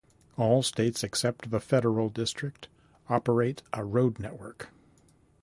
All states except the Federal District operate a road network.